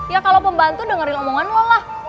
ya kalo pembantu dengerin omongan lo lah